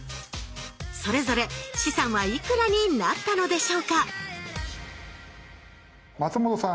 それぞれ資産はいくらになったのでしょうか松本さん